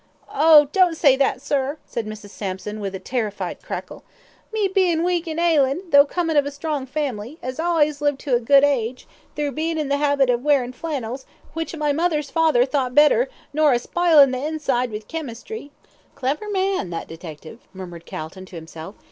"Oh! don't say that, sir," said Mrs. Sampson, with a terrified crackle. "Me bein' weak an' ailin', tho' comin' of a strong family, as allays lived to a good age, thro' bein' in the 'abit of wearin' flannels, which my mother's father thought better nor a spilin' the inside with chemistry." "Clever man, that detective," murmured Calton to himself.